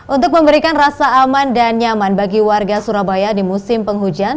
untuk memberikan rasa aman dan nyaman bagi warga surabaya di musim penghujan